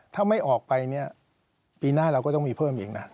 ถ้าไม่ออกไปเนี่ยปีหน้าเราก็ต้องมีเพิ่มอีกนะ